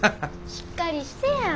しっかりしてや。